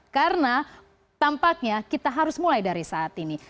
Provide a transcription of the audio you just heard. karena tampaknya kita harus mulai dari saat ini